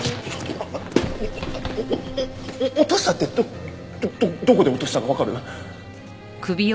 お落としたってどどこで落としたかわかる？